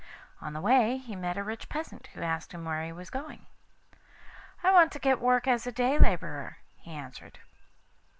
On the way he met a rich peasant, who asked him where he was going. 'I want to get work as a day labourer,' he answered.